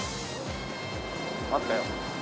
あったよ。